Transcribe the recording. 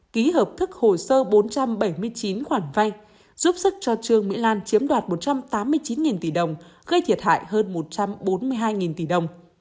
ký hợp thức hồ sơ bốn trăm bảy mươi chín khoản vay giúp sức cho trương mỹ lan chiếm đoạt một trăm tám mươi chín tỷ đồng gây thiệt hại hơn một trăm bốn mươi hai tỷ đồng